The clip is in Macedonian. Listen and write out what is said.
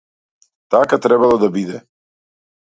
Така требало да биде.